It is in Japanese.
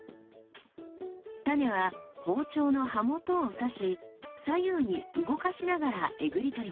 種は包丁の刃元を刺し左右に動かしながらえぐり取ります。